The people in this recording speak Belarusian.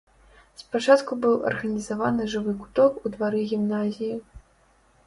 Спачатку быў арганізаваны жывы куток ў двары гімназіі.